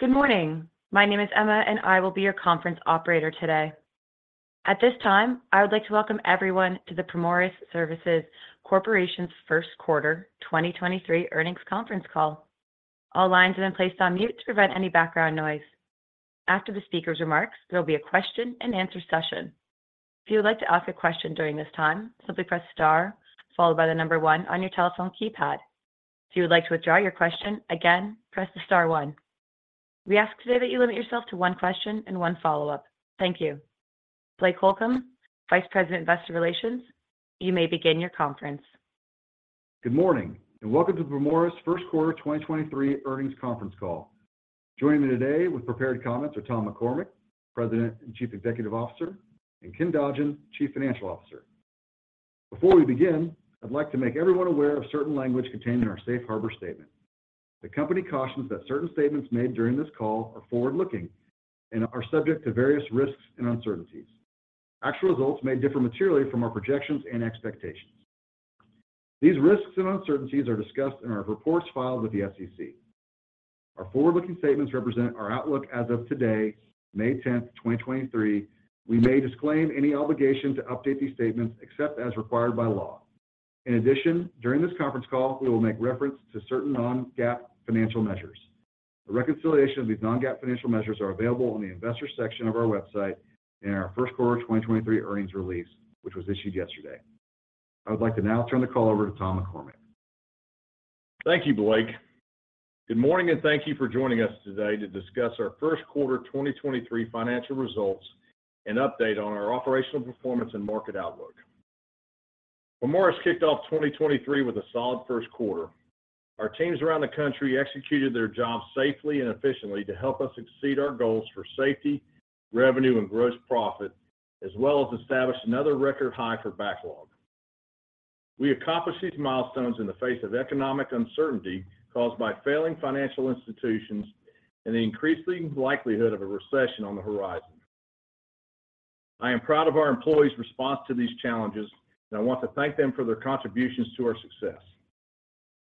Good morning.My name is Emma, and I will be your conference operator today. At this time, I would like to welcome everyone to the Primoris Services Corporation's first quarter 2023 earnings conference call. All lines have been placed on mute to prevent any background noise. After the speaker's remarks, there'll be a question-and-answer session. If you would like to ask a question during this time, simply press star followed by the number 1 on your telephone keypad. If you would like to withdraw your question, again, Press the Star one. We ask today that you limit yourself to one question and 1 follow-up. Thank you. Blake Holcomb, Vice President, Investor Relations, you may begin your conference. Good morning, and welcome to Primoris' first quarter 2023 earnings conference call. Joining me today with prepared comments are Tom McCormick, President and Chief Executive Officer, and Ken Dodgen, Chief Financial Officer. Before we begin, I'd like to make everyone aware of certain language contained in our safe harbor statement. The company cautions that certain statements made during this call are forward-looking and are subject to various risks and uncertainties. Actual results may differ materially from our projections and expectations. These risks and uncertainties are discussed in our reports filed with the SEC. Our forward-looking statements represent our outlook as of today, 10th May 2023. We may disclaim any obligation to update these statements except as required by law. In addition, during this conference call, we will make reference to certain non-GAAP financial measures. A reconciliation of these non-GAAP financial measures are available on the investor section of our website in our first quarter 2023 earnings release, which was issued yesterday. I would like to now turn the call over to Tom McCormick. Thank you, Blake. Good morning, and thank you for joining us today to discuss our first quarter 2023 financial results and update on our operational performance and market outlook. Primoris kicked off 2023 with a solid first quarter. Our teams around the country executed their jobs safely and efficiently to help us exceed our goals for safety, revenue, and gross profit, as well as establish another record high for backlog. We accomplished these milestones in the face of economic uncertainty caused by failing financial institutions and the increasing likelihood of a recession on the horizon. I am proud of our employees' response to these challenges, and I want to thank them for their contributions to our success.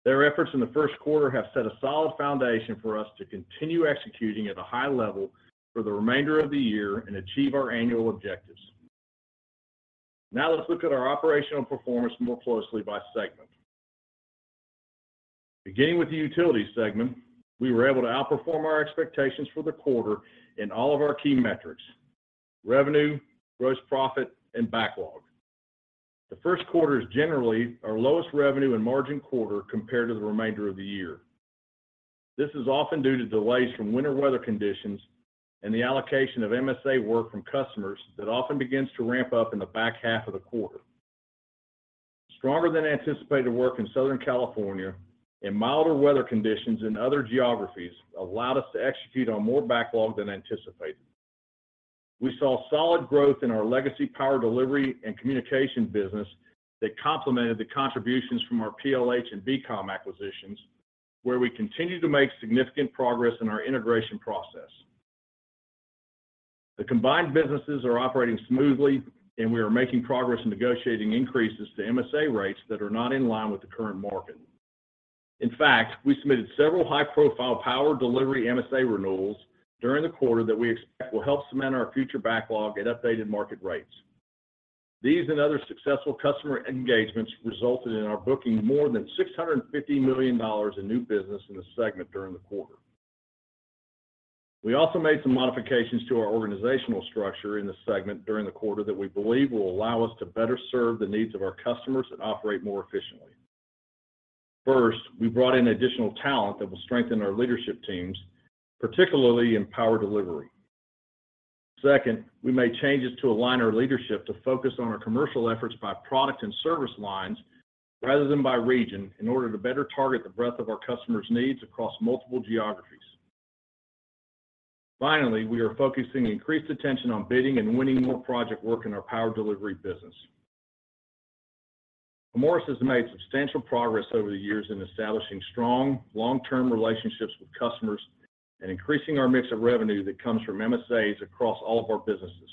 Their efforts in the first quarter have set a solid foundation for us to continue executing at a high level for the remainder of the year and achieve our annual objectives. Now let's look at our operational performance more closely by segment. Beginning with the utility segment, we were able to outperform our expectations for the quarter in all of our key metrics: revenue, gross profit, and backlog. The first quarter is generally our lowest revenue and margin quarter compared to the remainder of the year. This is often due to delays from winter weather conditions and the allocation of MSA work from customers that often begins to ramp up in the back half of the quarter. Stronger than anticipated work in Southern California and milder weather conditions in other geographies allowed us to execute on more backlog than anticipated. We saw solid growth in our legacy power delivery and communication business that complemented the contributions from our PLH and B Comm acquisitions, where we continue to make significant progress in our integration process. The combined businesses are operating smoothly, and we are making progress in negotiating increases to MSA rates that are not in line with the current market. In fact, we submitted several high-profile power delivery MSA renewals during the quarter that we expect will help cement our future backlog at updated market rates. These and other successful customer engagements resulted in our booking more than $650 million in new business in the segment during the quarter. We also made some modifications to our organizational structure in the segment during the quarter that we believe will allow us to better serve the needs of our customers and operate more efficiently. First, we brought in additional talent that will strengthen our leadership teams, particularly in power delivery. Second, we made changes to align our leadership to focus on our commercial efforts by product and service lines rather than by region in order to better target the breadth of our customers' needs across multiple geographies. Finally, we are focusing increased attention on bidding and winning more project work in our power delivery business. Primoris has made substantial progress over the years in establishing strong, long-term relationships with customers and increasing our mix of revenue that comes from MSAs across all of our businesses.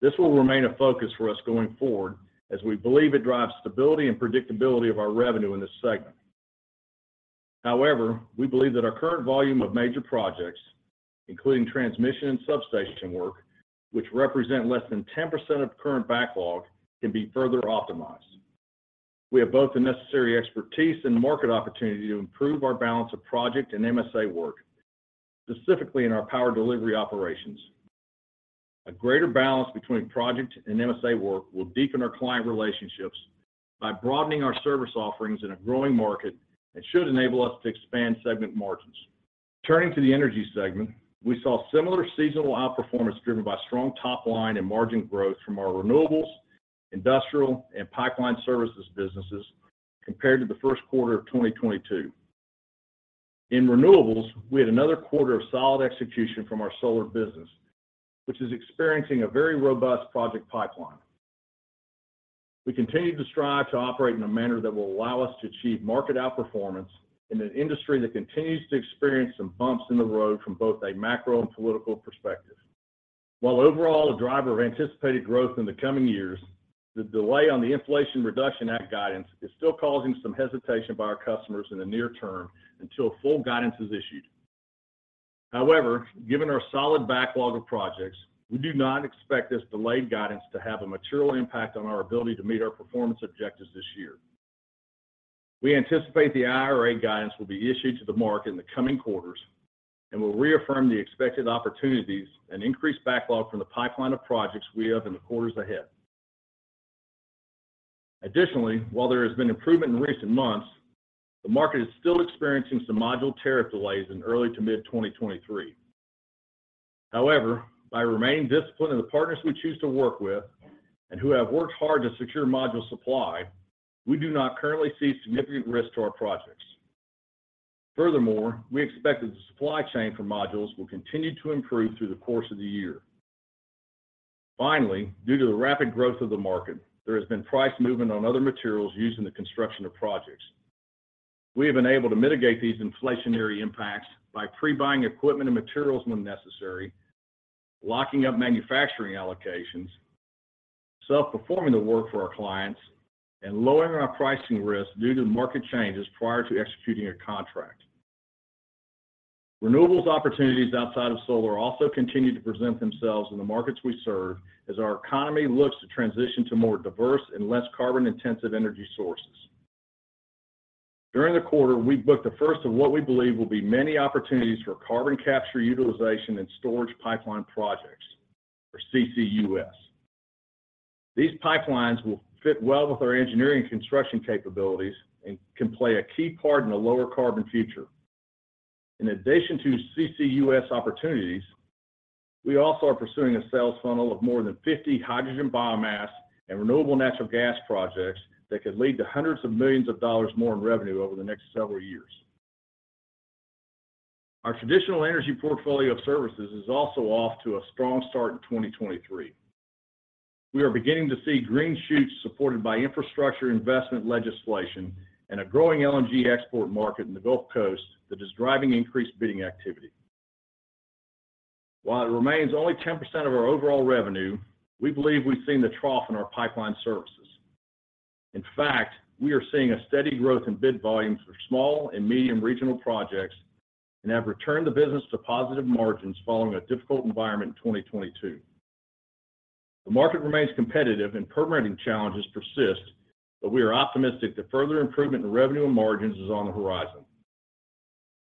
This will remain a focus for us going forward, as we believe it drives stability and predictability of our revenue in this segment. However, we believe that our current volume of major projects, including transmission and substation work, which represent less than 10% of current backlog, can be further optimized. We have both the necessary expertise and market opportunity to improve our balance of project and MSA work, specifically in our power delivery operations. A greater balance between project and MSA work will deepen our client relationships by broadening our service offerings in a growing market and should enable us to expand segment margins. Turning to the energy segment, we saw similar seasonal outperformance driven by strong top line and margin growth from our renewables, industrial, and pipeline services businesses compared to the first quarter of 2022. In renewables, we had another quarter of solid execution from our solar business, which is experiencing a very robust project pipeline. We continue to strive to operate in a manner that will allow us to achieve market outperformance in an industry that continues to experience some bumps in the road from both a macro and political perspective. While overall a driver of anticipated growth in the coming years, the delay on the Inflation Reduction Act guidance is still causing some hesitation by our customers in the near term until full guidance is issued. However, given our solid backlog of projects, we do not expect this delayed guidance to have a material impact on our ability to meet our performance objectives this year. We anticipate the IRA guidance will be issued to the market in the coming quarters and will reaffirm the expected opportunities and increased backlog from the pipeline of projects we have in the quarters ahead. Additionally, while there has been improvement in recent months, the market is still experiencing some module tariff delays in early to mid-2023. However, by remaining disciplined in the partners we choose to work with and who have worked hard to secure module supply, we do not currently see significant risk to our projects. Furthermore, we expect that the supply chain for modules will continue to improve through the course of the year. Finally, due to the rapid growth of the market, there has been price movement on other materials used in the construction of projects. We have been able to mitigate these inflationary impacts by pre-buying equipment and materials when necessary, locking up manufacturing allocations, self-performing the work for our clients, and lowering our pricing risk due to market changes prior to executing a contract. Renewables opportunities outside of solar also continue to present themselves in the markets we serve as our economy looks to transition to more diverse and less carbon-intensive energy sources. During the quarter, we booked the first of what we believe will be many opportunities for carbon capture utilization and storage pipeline projects, or CCUS. These pipelines will fit well with our engineering construction capabilities and can play a key part in a lower carbon future. In addition to CCUS opportunities, we also are pursuing a sales funnel of more than 50 hydrogen biomass and renewable natural gas projects that could lead to hundreds of millions of dollars more in revenue over the next several years. Our traditional energy portfolio of services is also off to a strong start in 2023. We are beginning to see green shoots supported by infrastructure investment legislation and a growing LNG export market in the Gulf Coast that is driving increased bidding activity. While it remains only 10% of our overall revenue, we believe we've seen the trough in our pipeline services. In fact, we are seeing a steady growth in bid volumes for small and medium regional projects and have returned the business to positive margins following a difficult environment in 2022. The market remains competitive and permitting challenges persist. We are optimistic that further improvement in revenue and margins is on the horizon.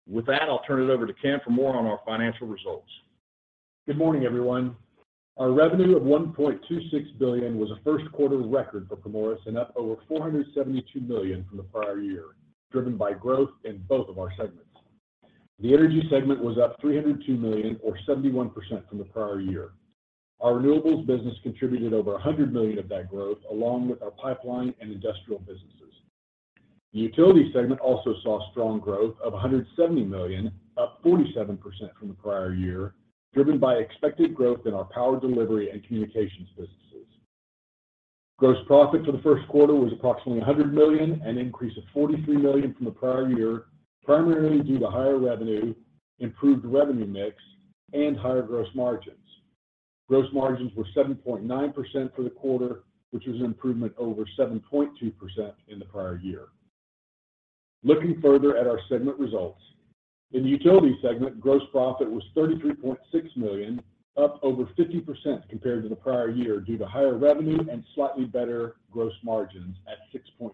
With that, I'll turn it over to Ken for more on our financial results. Good morning, everyone. Our revenue of $1.26 billion was a first quarter record for Primoris and up over $472 million from the prior year, driven by growth in both of our segments. The energy segment was up $302 million or 71% from the prior year. Our renewables business contributed over $100 million of that growth, along with our pipeline and industrial businesses. The utility segment also saw strong growth of $170 million, up 47% from the prior year, driven by expected growth in our power delivery and communications businesses. Gross profit for the first quarter was approximately $100 million, an increase of $43 million from the prior year, primarily due to higher revenue, improved revenue mix, and higher gross margins. Gross margins were 7.9% for the quarter, which was an improvement over 7.2% in the prior year. Looking further at our segment results, in the utility segment, gross profit was $33.6 million, up over 50% compared to the prior year due to higher revenue and slightly better gross margins at 6.3%.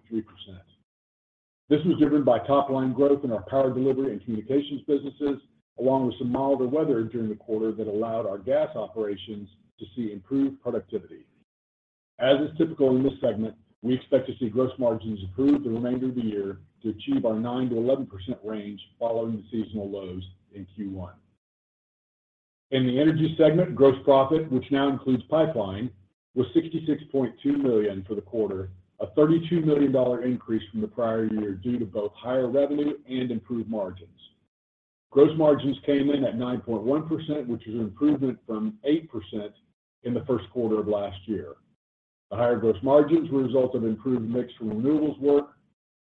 This was driven by top-line growth in our power delivery and communications businesses, along with some milder weather during the quarter that allowed our gas operations to see improved productivity. As is typical in this segment, we expect to see gross margins improve the remainder of the year to achieve our 9%-11% range following the seasonal lows in Q1. In the energy segment, gross profit, which now includes pipeline, was $66.2 million for the quarter, a $32 million increase from the prior year due to both higher revenue and improved margins. Gross margins came in at 9.1%, which is an improvement from 8% in the first quarter of last year. The higher gross margins were a result of improved mix from renewables work,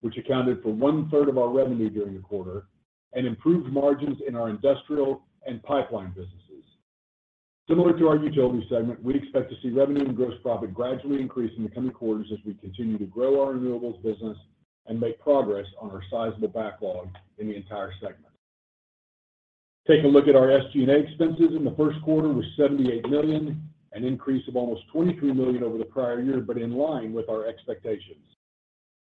which accounted for 1/3 of our revenue during the quarter, and improved margins in our industrial and pipeline businesses. Similar to our utility segment, we expect to see revenue and gross profit gradually increase in the coming quarters as we continue to grow our renewables business and make progress on our sizable backlog in the entire segment. Taking a look at our SG&A expenses in the first quarter was $78 million, an increase of almost $23 million over the prior year, but in line with our expectations.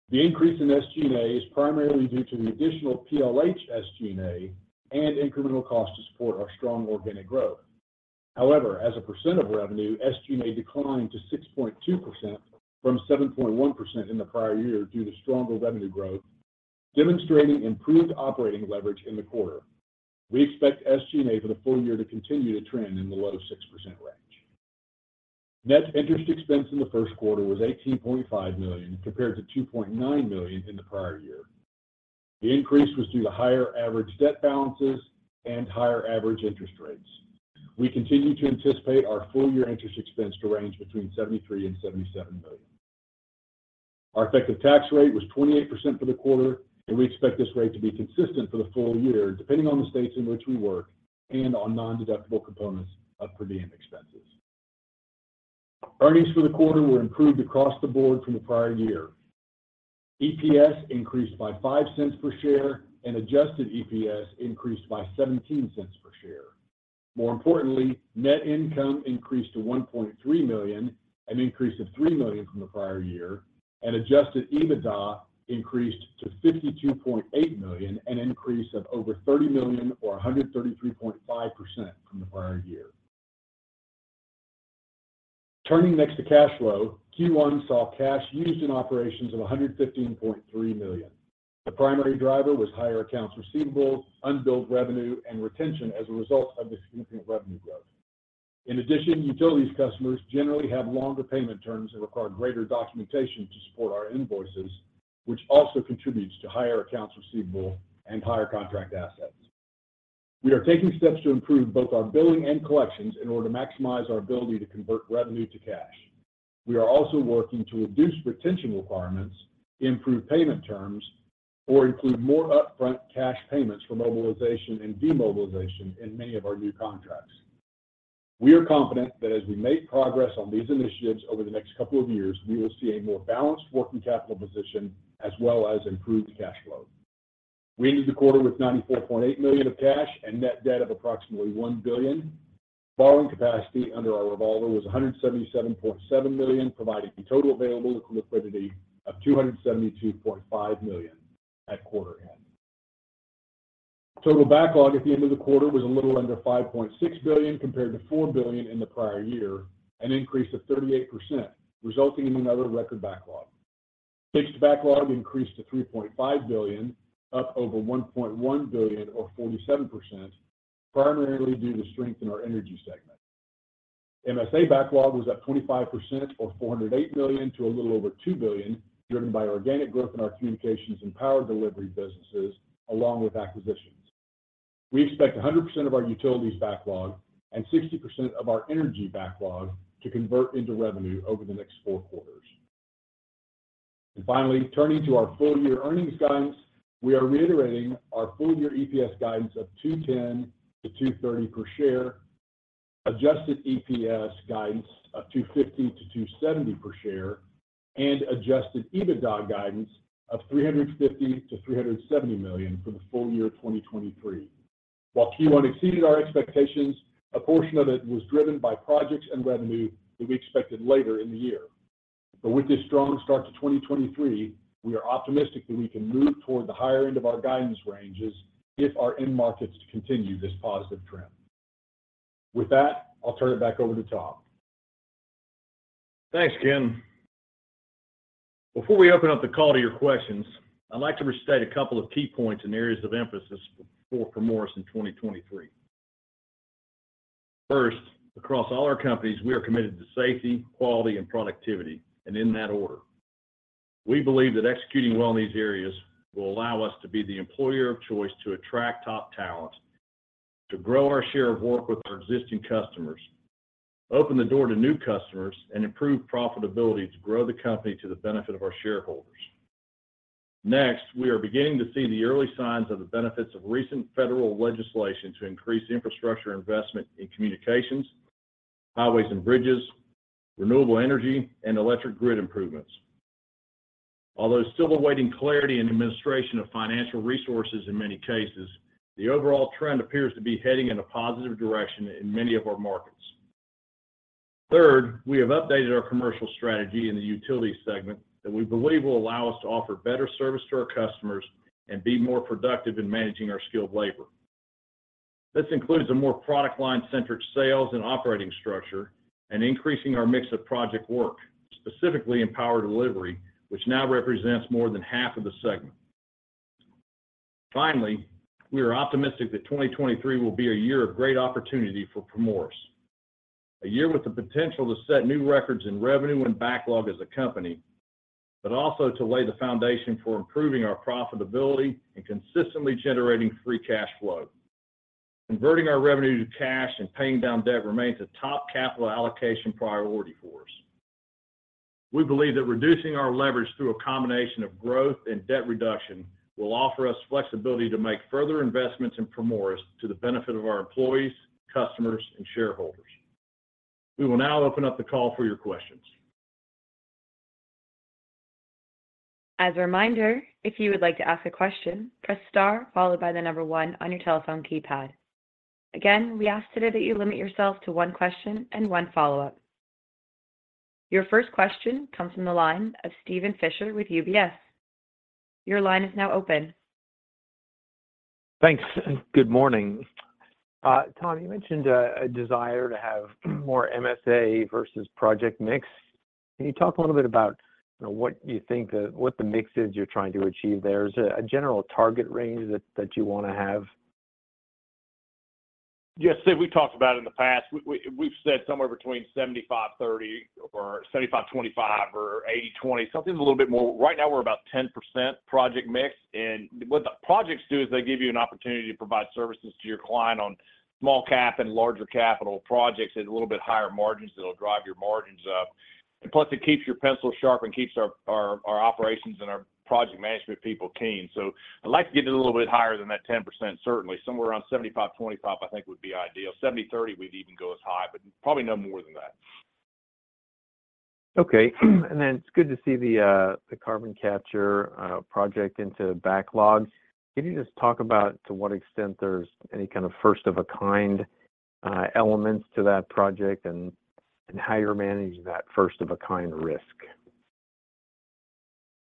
The increase in SG&A is primarily due to the additional PLH SG&A and incremental cost to support our strong organic growth. However, as a percent of revenue, SG&A declined to 6.2% from 7.1% in the prior year due to stronger revenue growth, demonstrating improved operating leverage in the quarter. We expect SG&A for the full year to continue to trend in the low of 6% range. Net interest expense in the first quarter was $18.5 million compared to $2.9 million in the prior year. The increase was due to higher average debt balances and higher average interest rates. We continue to anticipate our full-year interest expense to range between $73 million and $77 million. Our effective tax rate was 28% for the quarter. We expect this rate to be consistent for the full year, depending on the states in which we work and on non-deductible components of per diem expenses. Earnings for the quarter were improved across the board from the prior year. EPS increased by $0.05 per share. Adjusted EPS increased by $0.17 per share. More importantly, net income increased to $1.3 million, an increase of $3 million from the prior year. Adjusted EBITDA increased to $52.8 million, an increase of over $30 million or 133.5% from the prior year. Turning next to cash flow, Q1 saw cash used in operations of $115.3 million. The primary driver was higher accounts receivables, unbilled revenue, and retention as a result of the significant revenue growth. In addition, utilities customers generally have longer payment terms and require greater documentation to support our invoices, which also contributes to higher accounts receivable and higher contract assets. We are taking steps to improve both our billing and collections in order to maximize our ability to convert revenue to cash. We are also working to reduce retention requirements, improve payment terms, or include more upfront cash payments for mobilization and demobilization in many of our new contracts. We are confident that as we make progress on these initiatives over the next couple of years, we will see a more balanced working capital position as well as improved cash flow. We ended the quarter with $94.8 million of cash and net debt of approximately $1 billion. Borrowing capacity under our revolver was $177.7 million, providing total available liquidity of $272.5 million at quarter end. Total backlog at the end of the quarter was a little under $5.6 billion compared to $4 billion in the prior year, an increase of 38%, resulting in another record backlog. Fixed backlog increased to $3.5 billion, up over $1.1 billion or 47%, primarily due to strength in our energy segment. MSA backlog was at 25% or $408 million to a little over $2 billion, driven by organic growth in our communications and power delivery businesses along with acquisitions. We expect 100% of our utilities backlog and 60% of our energy backlog to convert into revenue over the next four quarters. Finally, turning to our full-year earnings guidance, we are reiterating our full-year EPS guidance of $2.10-$2.30 per share, adjusted EPS guidance of $2.50-$2.70 per share, and adjusted EBITDA guidance of $350 million-$370 million for the full year 2023. While Q1 exceeded our expectations, a portion of it was driven by projects and revenue that we expected later in the year. With this strong start to 2023, we are optimistic that we can move toward the higher end of our guidance ranges if our end markets continue this positive trend. With that, I'll turn it back over to Tom. Thanks, Ken. Before we open up the call to your questions, I'd like to restate a couple of key points and areas of emphasis for Primoris in 2023. First, across all our companies, we are committed to safety, quality, and productivity, and in that order. We believe that executing well in these areas will allow us to be the employer of choice to attract top talent, to grow our share of work with our existing customers, open the door to new customers, and improve profitability to grow the company to the benefit of our shareholders. Next, we are beginning to see the early signs of the benefits of recent federal legislation to increase infrastructure investment in communications, highways and bridges, renewable energy, and electric grid improvements. Although still awaiting clarity in the administration of financial resources in many cases, the overall trend appears to be heading in a positive direction in many of our markets. Third, we have updated our commercial strategy in the utility segment that we believe will allow us to offer better service to our customers and be more productive in managing our skilled labor. This includes a more product line-centric sales and operating structure and increasing our mix of project work, specifically in power delivery, which now represents more than half of the segment. Finally, we are optimistic that 2023 will be a year of great opportunity for Primoris. A year with the potential to set new records in revenue and backlog as a company, but also to lay the foundation for improving our profitability and consistently generating free cash flow. Converting our revenue to cash and paying down debt remains a top capital allocation priority for us. We believe that reducing our leverage through a combination of growth and debt reduction will offer us flexibility to make further investments in Primoris to the benefit of our employees, customers, and shareholders. We will now open up the call for your questions. As a reminder, if you would like to ask a question, press star followed by the number one on your telephone keypad. Again, we ask today that you limit yourself to one question and one follow-up. Your first question comes from the line of Steven Fisher with UBS. Your line is now open. Thanks, and good morning. Tom, you mentioned a desire to have more MSA versus project mix. Can you talk a little bit about, you know, what you think what the mix is you're trying to achieve there? Is there a general target range that you wanna have? Yes, Sid, we've talked about it in the past. We've said somewhere between 75/30 or 75/25 or 80/20, something a little bit more. Right now, we're about 10% project mix, and what the projects do is they give you an opportunity to provide services to your client on small cap and larger capital projects at a little bit higher margins that'll drive your margins up. Plus it keeps your pencil sharp and keeps our operations and our project management people keen. I'd like to get it a little bit higher than that 10% certainly. Somewhere around 75/25 I think would be ideal. 70/30, we'd even go as high, but probably no more than that. Okay. It's good to see the carbon capture project into backlogs. Can you just talk about to what extent there's any kind of first of a kind elements to that project and how you're managing that first of a kind risk?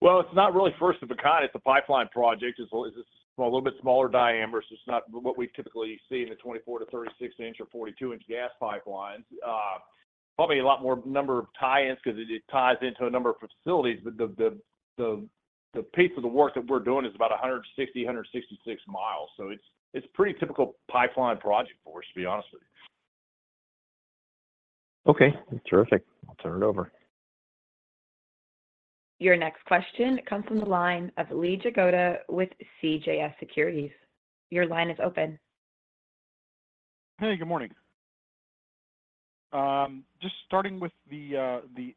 Well, it's not really first of a kind. It's a pipeline project. It's a little bit smaller diameter, so it's not what we typically see in the 24-36 inch or 42 inch gas pipelines. Probably a lot more number of tie-ins because it ties into a number of facilities. The piece of the work that we're doing is about 166 miles. It's pretty typical pipeline project for us, to be honest with you. Okay. Terrific. I'll turn it over. Your next question comes from the line of Lee Jagoda with CJS Securities. Your line is open. Good morning. Just starting with the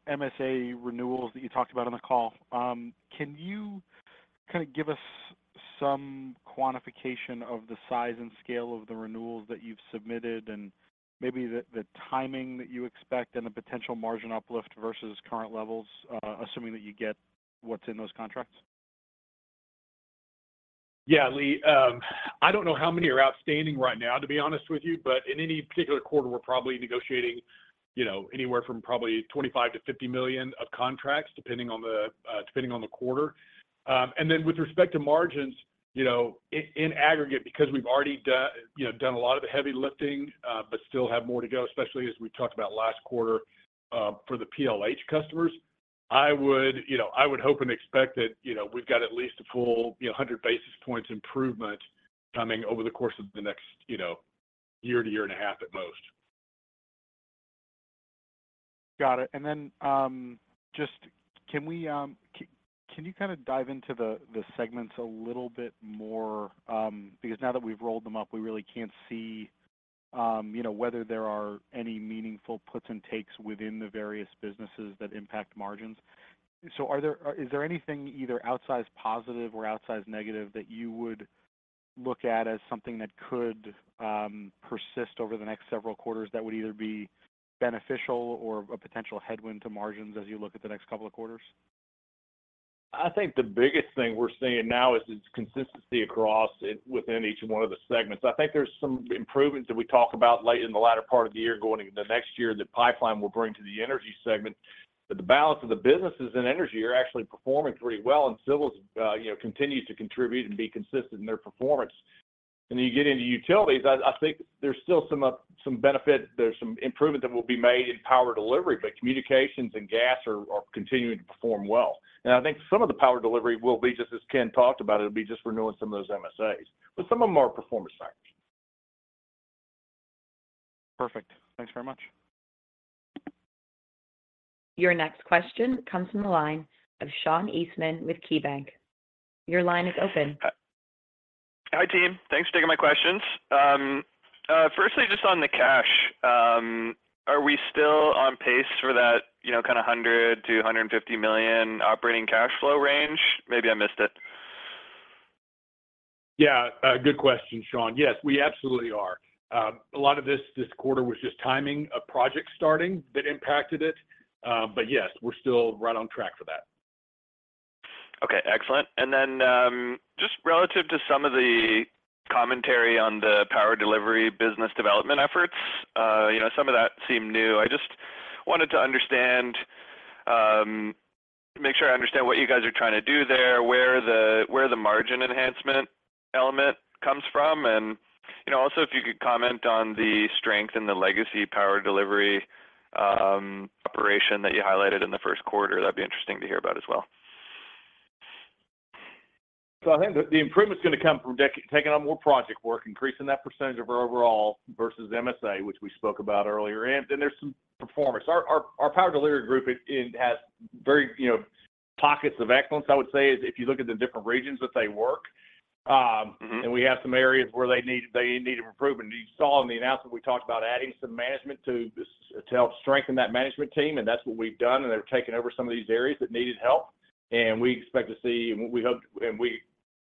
MSA renewals that you talked about on the call. Can you kind of give us some quantification of the size and scale of the renewals that you've submitted and maybe the timing that you expect and the potential margin uplift versus current levels, assuming that you get what's in those contracts? Yeah, Lee. I don't know how many are outstanding right now, to be honest with you, but in any particular quarter, we're probably negotiating, you know, anywhere from probably $25 million-$50 million of contracts, depending on the depending on the quarter. Then with respect to margins, you know, in aggregate because we've already you know, done a lot of the heavy lifting, but still have more to go, especially as we talked about last quarter, for the PLH customers. I would, you know, I would hope and expect that, you know, we've got at least a full, you know, 100 basis points improvement coming over the course of the next, you know, year to year and a half at most. Got it. Then, just can you kind of dive into the segments a little bit more, because now that we've rolled them up, we really can't see, you know, whether there are any meaningful puts and takes within the various businesses that impact margins. Is there anything either outsized positive or outsized negative that you would look at as something that could persist over the next several quarters that would either be beneficial or a potential headwind to margins as you look at the next couple of quarters? I think the biggest thing we're seeing now is its consistency within each one of the segments. I think there's some improvements that we talk about late in the latter part of the year going into the next year that pipeline will bring to the energy segment. The balance of the businesses in energy are actually performing pretty well, and civils, you know, continues to contribute and be consistent in their performance. You get into utilities, I think there's still some benefit, there's some improvement that will be made in power delivery, but communications and gas are continuing to perform well. I think some of the power delivery will be just as Ken talked about, it'll be just renewing some of those MSAs, but some of them are performance factors. Perfect. Thanks very much. Your next question comes from the line of Sean Eastman with KeyBank. Your line is open. Hi team. Thanks for taking my questions. Firstly, just on the cash, are we still on pace for that, you know, kind of $100 million-$150 million operating cash flow range? Maybe I missed it. Yeah. Good question, Sean. Yes, we absolutely are. A lot of this this quarter was just timing a project starting that impacted it. Yes, we're still right on track for that. Okay, excellent. Just relative to some of the commentary on the power delivery business development efforts, you know, some of that seemed new. I just wanted to understand, make sure I understand what you guys are trying to do there, where the margin enhancement element comes from. You know, also if you could comment on the strength in the legacy power delivery operation that you highlighted in the first quarter. That'd be interesting to hear about as well. I think the improvement's gonna come from taking on more project work, increasing that percentage of our overall versus MSA, which we spoke about earlier. Then there's some performance. Our power delivery group it has very, you know, pockets of excellence, I would say, is if you look at the different regions that they work. Mm-hmm... and we have some areas where they need improvement. You saw in the announcement, we talked about adding some management to help strengthen that management team, and that's what we've done, and they've taken over some of these areas that needed help.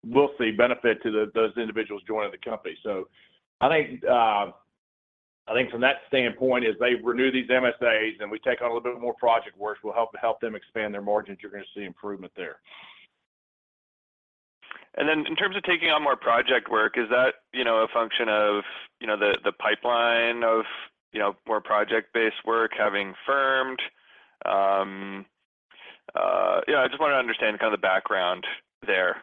We expect to see, and we hope, and we will see benefit to those individuals joining the company. I think, I think from that standpoint, as they renew these MSAs and we take on a little bit more project work, we'll help them expand their margins. You're gonna see improvement there. In terms of taking on more project work, is that, you know, a function of, you know, the pipeline of, you know, more project-based work having firmed? Yeah, I just want to understand kind of the background there.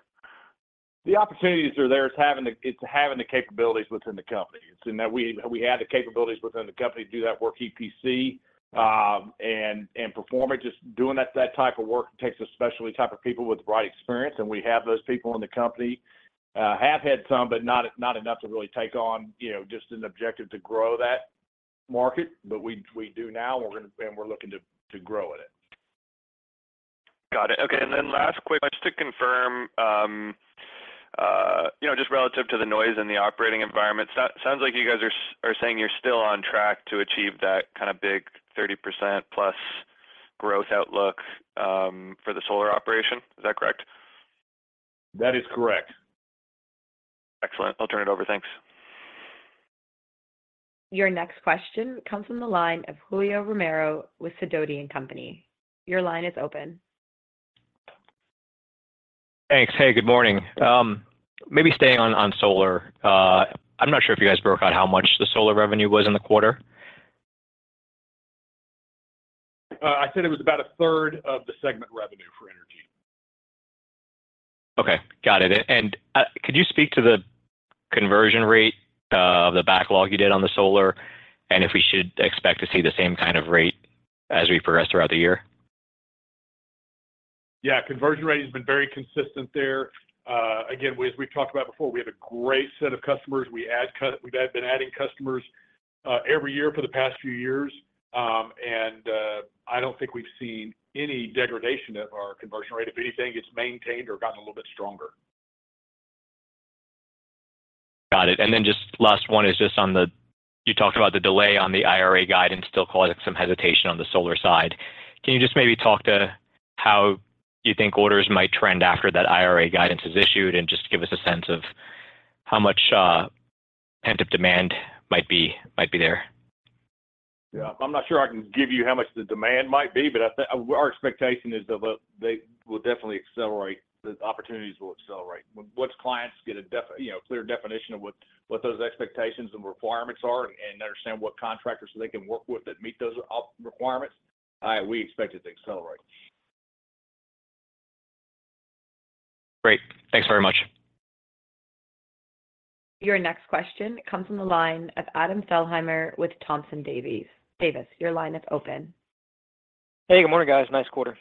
The opportunities are there. It's having the capabilities within the company. It's in that we have the capabilities within the company to do that work EPC and perform it. Just doing that type of work takes a specialty type of people with the right experience, and we have those people in the company. Have had some, but not enough to really take on, you know, just an objective to grow that market, but we do now, and we're looking to grow in it. Got it. Okay. Last quick, just to confirm, you know, just relative to the noise and the operating environment. Sounds like you guys are saying you're still on track to achieve that kind of big 30% plus growth outlook for the solar operation. Is that correct? That is correct. Excellent. I'll turn it over. Thanks. Your next question comes from the line of Julio Romero with Sidoti & Company. Your line is open. Thanks. Hey, good morning. Maybe staying on solar. I'm not sure if you guys broke out how much the solar revenue was in the quarter? I said it was about a third of the segment revenue for energy. Okay. Got it. Could you speak to the conversion rate of the backlog you did on the solar, and if we should expect to see the same kind of rate as we progress throughout the year? Yeah. Conversion rate has been very consistent there. As we've talked about before, we have a great set of customers. We have been adding customers every year for the past few years. I don't think we've seen any degradation of our conversion rate. If anything, it's maintained or gotten a little bit stronger. Got it. Just last one is just on the. You talked about the delay on the IRA guidance still causing some hesitation on the solar side. Can you just maybe talk to how you think orders might trend after that IRA guidance is issued and just give us a sense of how much pent-up demand might be there? Yeah. I'm not sure I can give you how much the demand might be, but our expectation is that they will definitely accelerate, the opportunities will accelerate. Once clients get a you know, clear definition of what those expectations and requirements are and understand what contractors they can work with that meet those requirements, we expect it to accelerate. Great. Thanks very much. Your next question comes from the line of Adam Thalhimer with Thompson Davis. Your line is open. Hey, good morning, guys. Nice quarter.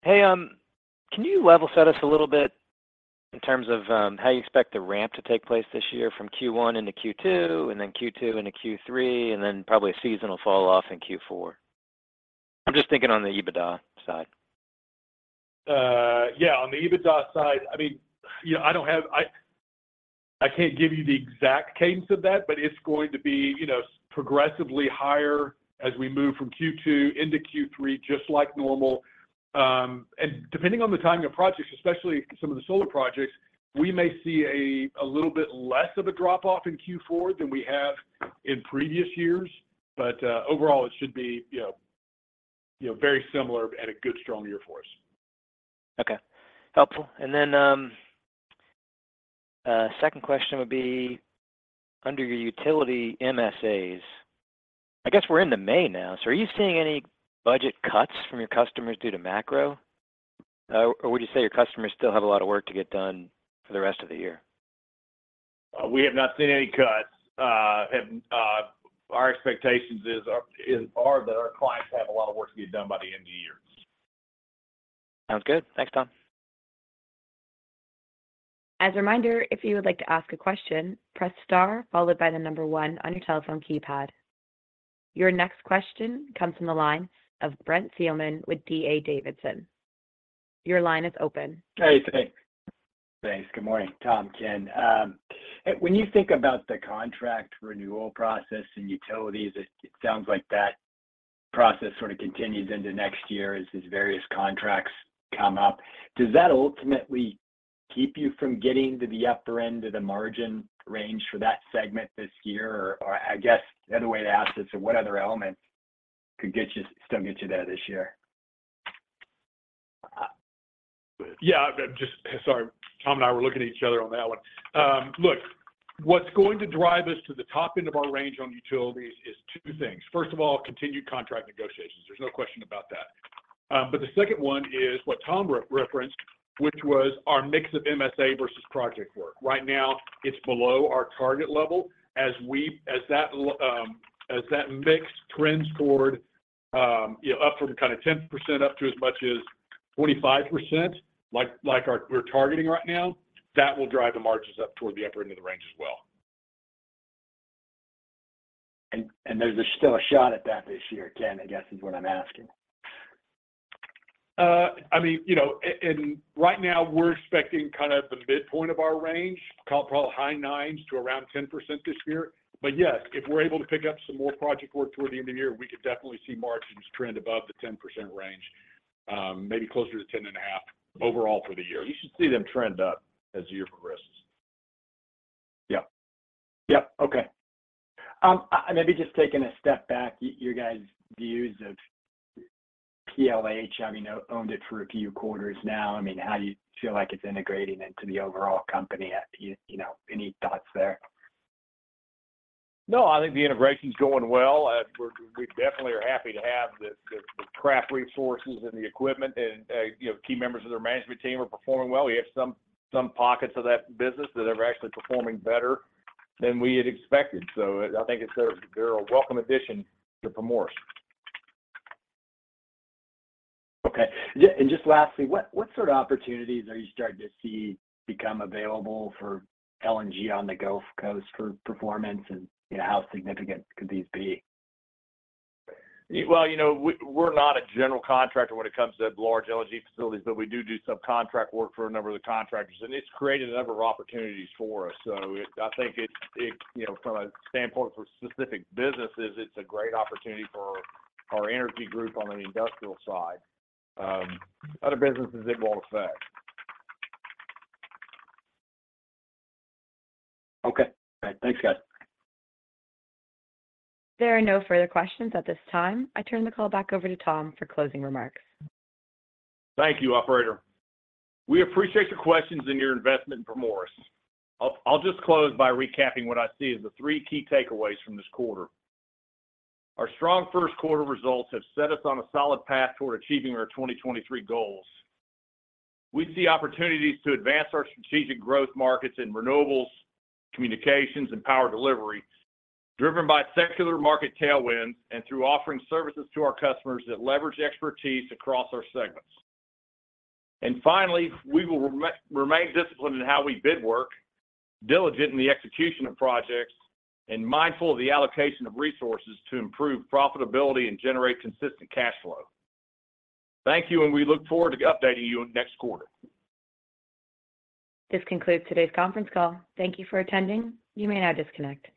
Hey, can you level set us a little bit in terms of, how you expect the ramp to take place this year from Q1 into Q2 and then Q2 into Q3, and then probably a seasonal fall off in Q4? I'm just thinking on the EBITDA side. Yeah. On the EBITDA side, I mean, you know, I can't give you the exact cadence of that, but it's going to be, you know, progressively higher as we move from Q2 into Q3 just like normal. Depending on the timing of projects, especially some of the solar projects, we may see a little bit less of a drop off in Q4 than we have in previous years. Overall, it should be, you know, very similar and a good strong year for us. Okay. Helpful. Second question would be under your utility MSAs, I guess we're into May now, so are you seeing any budget cuts from your customers due to macro? Would you say your customers still have a lot of work to get done for the rest of the year? We have not seen any cuts. Our expectations are that our clients have a lot of work to get done by the end of the year. Sounds good. Thanks, Tom. As a reminder, if you would like to ask a question, press star followed by 1 on your telephone keypad. Your next question comes from the line of Brent Thielman with D.A. Davidson. Your line is open. Thanks. Good morning, Tom, Ken. When you think about the contract renewal process in utilities, it sounds like that process sort of continues into next year as these various contracts come up. Does that ultimately keep you from getting to the upper end of the margin range for that segment this year? Or, I guess, another way to ask this, what other elements could get you stumping to that this year? Yeah. Just. Sorry. Tom and I were looking at each other on that one. Look, what's going to drive us to the top end of our range on utilities is two things. First of all, continued contract negotiations. There's no question about that. The second one is what Tom re-referenced, which was our mix of MSA versus project work. Right now, it's below our target level. As that mix trends toward, you know, upward kind of 10% up to as much as 25%, like our we're targeting right now, that will drive the margins up toward the upper end of the range as well. There's still a shot at that this year, Ken, I guess is what I'm asking? Right now we're expecting kind of the midpoint of our range, call it probably high nines to around 10% this year. Yes, if we're able to pick up some more project work toward the end of the year, we could definitely see margins trend above the 10% range, maybe closer to 10.5% overall for the year. You should see them trend up as the year progresses. Yep. Yep. Okay. Maybe just taking a step back, your guys' views of PLH, I mean, owned it for a few quarters now. I mean, how do you feel like it's integrating into the overall company? You know, any thoughts there? I think the integration is going well. We definitely are happy to have the craft resources and the equipment and, you know, key members of their management team are performing well. We have some pockets of that business that are actually performing better than we had expected. I think they're a welcome addition to Primoris. Okay. Yeah, just lastly, what sort of opportunities are you starting to see become available for LNG on the Gulf Coast for performance and, you know, how significant could these be? Well, you know, we're not a general contractor when it comes to large LNG facilities, but we do subcontract work for a number of the contractors, and it's created a number of opportunities for us. I think it, you know, from a standpoint for specific businesses, it's a great opportunity for our energy group on an industrial side. Other businesses it won't affect. Okay. All right. Thanks, guys. There are no further questions at this time. I turn the call back over to Tom for closing remarks. Thank you, operator. We appreciate your questions and your investment in Primoris. I'll just close by recapping what I see as the three key takeaways from this quarter. Our strong first quarter results have set us on a solid path toward achieving our 2023 goals. We see opportunities to advance our strategic growth markets in renewables, communications, and power delivery, driven by secular market tailwinds and through offering services to our customers that leverage expertise across our segments. Finally, we will remain disciplined in how we bid work, diligent in the execution of projects, and mindful of the allocation of resources to improve profitability and generate consistent cash flow. Thank you. We look forward to updating you next quarter. This concludes today's Conference Call. Thank you for attending. You may now disconnect.